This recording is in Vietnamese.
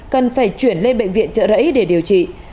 cần phải chuyển lên bệnh viện trợ rẫy để điều trị